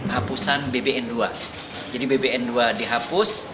hapusan bpn dua jadi bpn dua dihapus